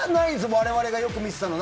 我々がよく見ていたのは。